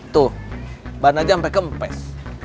tuh barna aja sampe kempes